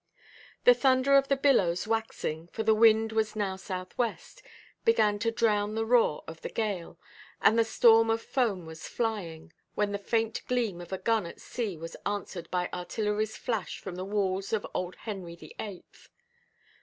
The thunder of the billows waxing, for the wind was now south–west, began to drown the roar of the gale, and a storm of foam was flying, when the faint gleam of a gun at sea was answered by artilleryʼs flash from the walls of old Henry the Eighth.